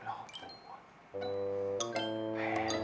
โอ้ว